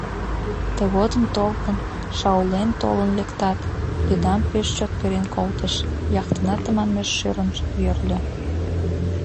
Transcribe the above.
Тыгодым толкын, шаулен толын лектат, «Бедам» пеш чот перен колтыш — яхтына тыманмеш шӧрын йӧрльӧ.